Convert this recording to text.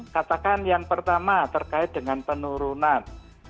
katakan yang pertama terkait dengan penurunan